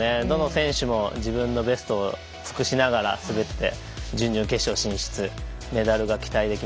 どの選手も自分のベストを尽くしながら滑って準々決勝進出。